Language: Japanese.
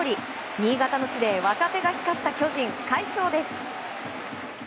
新潟の地で若手が光った巨人、快勝です。